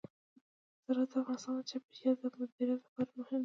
زراعت د افغانستان د چاپیریال د مدیریت لپاره مهم دي.